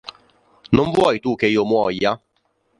Non vuoi tu che io muoia?